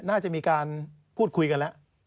น่าจะมีการพูดคุยกันแล้ว